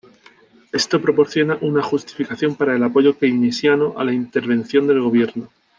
Esto proporciona una justificación para el apoyo keynesiano a la intervención del gobierno.